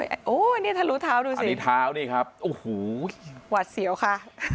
โอ้โหนี่ทะลุเท้าดูสินี่เท้านี่ครับโอ้โหหวาดเสียวค่ะ